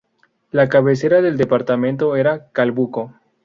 La cabecera del departamento era Calbuco.